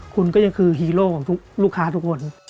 คุณก็ยังคือฮีโร่ของลูกค้าทุกคน